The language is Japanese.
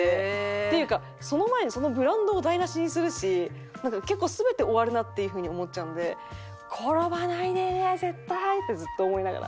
っていうかその前にそのブランドを台無しにするしなんか結構全て終わるなっていう風に思っちゃうので転ばないで絶対！ってずっと思いながら。